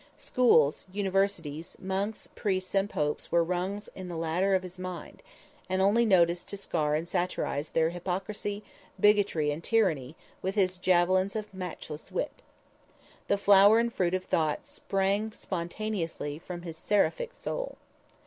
Schools, universities, monks, priests and popes were rungs in the ladder of his mind, and only noticed to scar and satirize their hypocrisy, bigotry and tyranny with his javelins of matchless wit. The flower and fruit of thought sprang spontaneously from his seraphic soul.